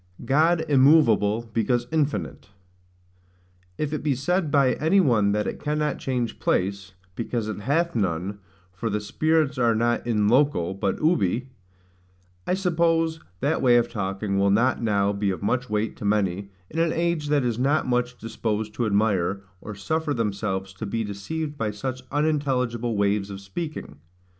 God immoveable because infinite. If it be said by any one that it cannot change place, because it hath none, for the spirits are not IN LOCO, but UBI; I suppose that way of talking will not now be of much weight to many, in an age that is not much disposed to admire, or suffer themselves to be deceived by such unintelligible ways of speaking.